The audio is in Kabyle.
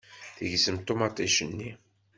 Tegzem ṭumaṭic-nni.